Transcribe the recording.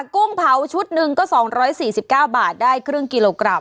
กุ้งเผาชุดหนึ่งก็๒๔๙บาทได้ครึ่งกิโลกรัม